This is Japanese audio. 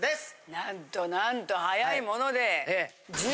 なんとなんと早いもので。